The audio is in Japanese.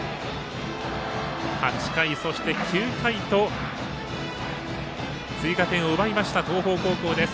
８回、そして９回と追加点を奪いました東邦高校です。